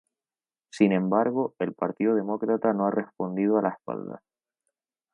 Sin embargo, el Partido Demócrata no ha respondido a la espalda.